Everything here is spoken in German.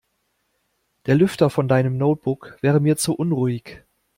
Der Lüfter von deinem Notebook wäre mir zu unruhig.